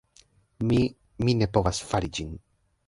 Mi... mi ne povas fari ĝin.